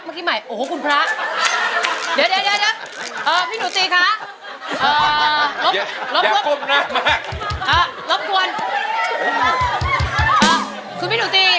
เดี๋ยว